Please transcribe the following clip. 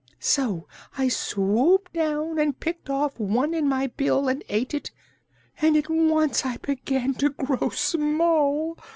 So I swooped down and picked off one in my bill and ate it. At once I began to grow small.